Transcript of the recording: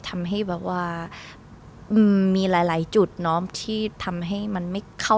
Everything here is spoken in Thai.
ทำให้แบบว่ามีหลายจุดเนอะที่ทำให้มันไม่เข้า